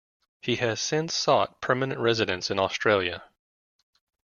He has since sought permanent residence in Australia.